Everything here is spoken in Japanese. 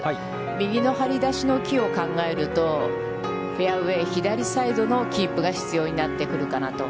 右の張り出しの木を考えると、フェアウェイ、左サイドのキープが必要になってくるかなと。